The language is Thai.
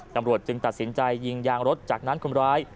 ตำรวจจึงตัดสินใจยิงยางรถจากนั้นคนร้าย